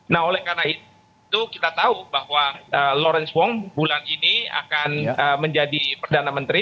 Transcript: nah oleh karena itu kita tahu bahwa lawrence wong bulan ini akan menjadi perdana menteri